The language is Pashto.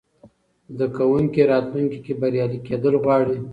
زده کوونکي راتلونکې کې بریالي کېدل غواړي.